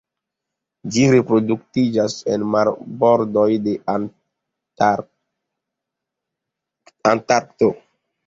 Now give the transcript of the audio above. Ĝi reproduktiĝas en marbordoj de Antarkto.